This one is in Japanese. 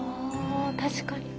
確かに。